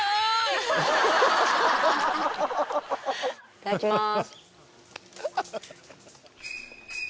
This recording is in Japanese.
いただきます。